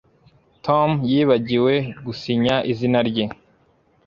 Tom yibagiwe gusinya izina rye